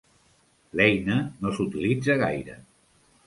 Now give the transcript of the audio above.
L'eina no s'utilitza gaire.